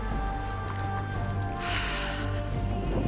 はあ。